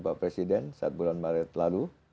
pak presiden satu bulan maret lalu